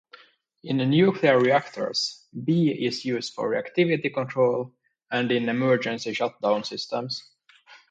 In nuclear reactors, B is used for reactivity control and in emergency shutdown systems.